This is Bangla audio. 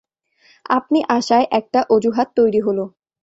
আপনি আসায় একটা অজুহাত তৈরি হল।